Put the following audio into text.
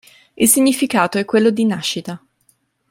Il significato è quello di "nascita".